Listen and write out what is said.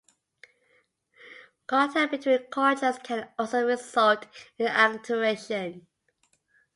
Contact between cultures can also result in acculturation.